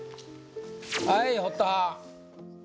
はい堀田